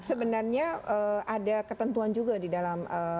sebenarnya ada ketentuan juga di dalam